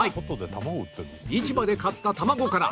市場で買った卵から